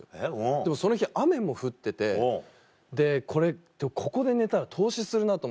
でもその日雨も降っててこれここで寝たら凍死するなと思って。